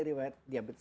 keturunan dari orang